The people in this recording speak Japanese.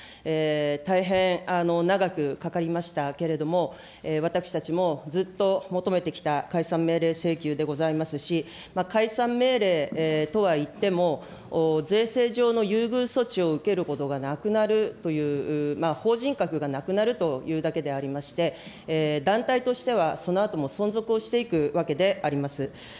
大変長くかかりましたけれども、私たちもずっと求めてきた解散命令請求でございますし、解散命令とはいっても、税制上の優遇措置を受けることがなくなるという、法人格がなくなるというだけでありまして、団体としてはそのあとも存続をしていくわけであります。